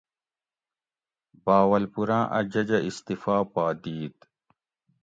بھاولپوراں اۤ ججہ استعفٰی پا دیت